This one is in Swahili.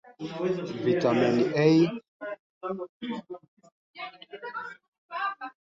Hii ni kutokana na mazingira yaliyo badilika ya kiusalama, pamoja na kuboresha juhudi za pamoja za usalama